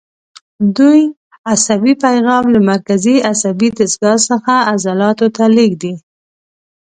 دوی عصبي پیغام له مرکزي عصبي دستګاه څخه عضلاتو ته لېږدوي.